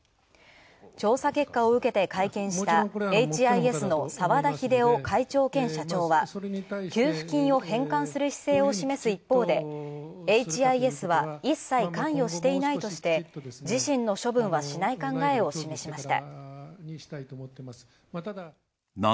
調査結果を受けて会見したエイチ・アイ・エスの澤田秀雄会長兼社長は給付金を返還する姿勢を示す一方で「エイチ・アイ・エスは一切関与していない」として自身の処分はしない考えを示しました。